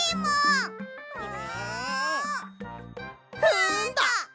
ふんだ！